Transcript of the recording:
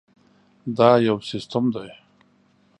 دا یو سیسټم دی.